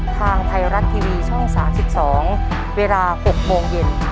ทางไทยรัฐทีวีช่อง๓๒เวลา๖โมงเย็น